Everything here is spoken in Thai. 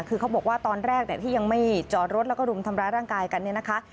คือเขาบอกว่าตอนแรกที่ยังไม่จอดรถแล้วก็รุมทำร้ายร่างกายกันเนี่ยนะคะ